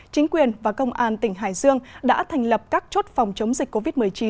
chính quyền và công an tỉnh hải dương đã thành lập các chốt phòng chống dịch covid một mươi chín